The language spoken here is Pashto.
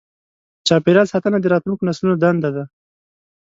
چاپېریال ساتنه د راتلونکو نسلونو دنده ده.